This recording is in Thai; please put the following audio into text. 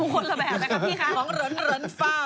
คนละแบบนะครับพี่ค่ะของเหริญเหริญฟา